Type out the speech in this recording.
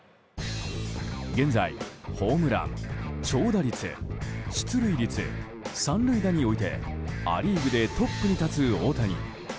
現在ホームラン、長打率出塁率、３塁打においてア・リーグでトップに立つ大谷。